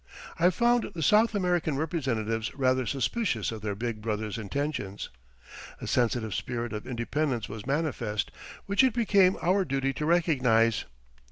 I found the South American representatives rather suspicious of their big brother's intentions. A sensitive spirit of independence was manifest, which it became our duty to recognize.